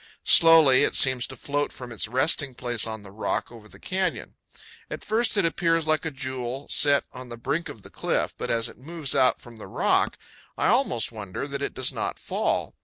Slowly it seems to float from its resting place on the rock over the canyon. At first it appears like a jewel set on the brink of the cliff, but as it moves out from the rock I almost wonder that it does not fall.